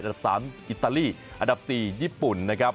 ดับ๓อิตาลีอันดับ๔ญี่ปุ่นนะครับ